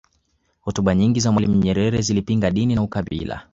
hotuba nyingi za mwalimu nyerere zilipinga dini na ukabila